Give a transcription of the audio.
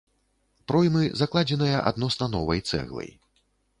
Проймы закладзеныя адносна новай цэглай.